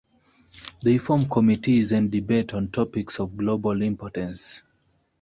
They form committees and debate on topics of global importance.